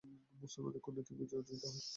মুসলমানদের কূটনৈতিক বিজয় অর্জিত হয়।